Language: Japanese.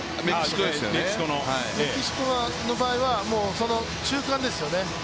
メキシコの場合はその中間ですよね。